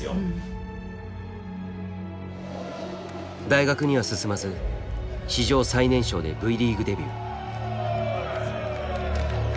大学には進まず史上最年少でＶリーグデビュー。